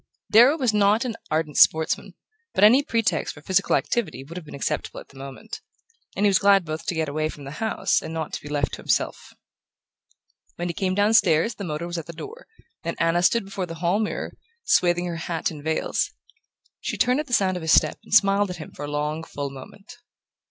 Darrow was not an ardent sportsman, but any pretext for physical activity would have been acceptable at the moment; and he was glad both to get away from the house and not to be left to himself. When he came downstairs the motor was at the door, and Anna stood before the hall mirror, swathing her hat in veils. She turned at the sound of his step and smiled at him for a long full moment.